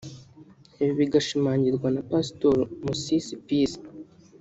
Ibi bigashimangirwa na Pasitori Musisi Peace